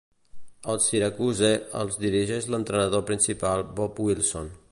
Els Syracuse els dirigeix l'entrenador principal Bob Wilson.